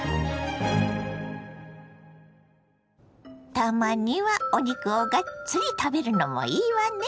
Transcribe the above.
たまにはお肉をがっつり食べるのもいいわね。